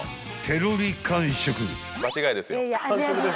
［ペロリ完食］